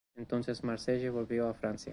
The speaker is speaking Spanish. Entonces, Marcelle volvió a Francia.